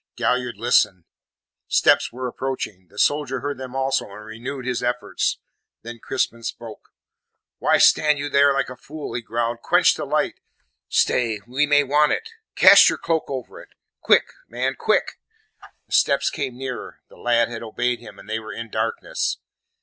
Galliard listened. Steps were approaching. The soldier heard them also, and renewed his efforts. Then Crispin spoke. "Why stand you there like a fool?" he growled. "Quench the light stay, we may want it! Cast your cloak over it! Quick, man, quick!" The steps came nearer. The lad had obeyed him, and they were in darkness.